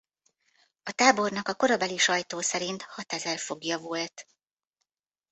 A tábornak a korabeli sajtó szerint hatezer foglya volt.